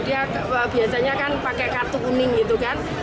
dia biasanya kan pakai kartu kuning gitu kan